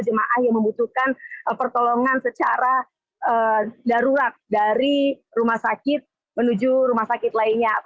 jemaah yang membutuhkan pertolongan secara darurat dari rumah sakit menuju rumah sakit lainnya